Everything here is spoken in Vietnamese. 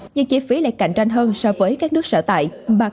nhưng chi phí lại cạnh tranh hơn so với các nước sở tại